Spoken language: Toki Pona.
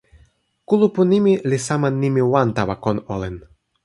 kulupu nimi li sama nimi wan tawa kon olin.